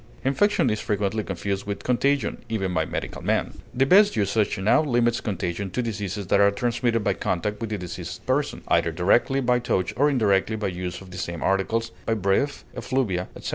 Infection is frequently confused with contagion, even by medical men. The best usage now limits contagion to diseases that are transmitted by contact with the diseased person, either directly by touch or indirectly by use of the same articles, by breath, effluvia, etc.